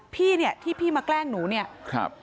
พี่ต้องมาแกล้งหนูครับ